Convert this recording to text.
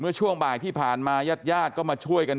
ช่วงบ่ายที่ผ่านมาญาติญาติก็มาช่วยกัน